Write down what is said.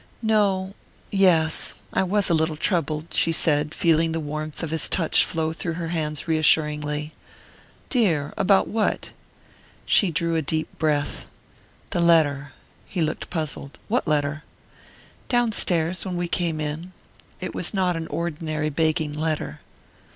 "No yes I was a little troubled...." she said, feeling the warmth of his touch flow through her hands reassuringly. "Dear! What about?" She drew a deep breath. "The letter " He looked puzzled. "What letter?" "Downstairs...when we came in...it was not an ordinary begging letter."